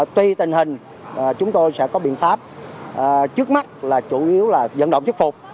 tuy tình hình chúng tôi sẽ có biện pháp trước mắt là chủ yếu là dẫn động chức phục